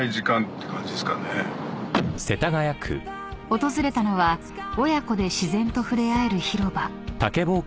［訪れたのは親子で自然と触れ合える広場］